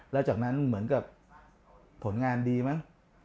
แล้วจากนั้นเหมือนกับผลงานดีมั้ง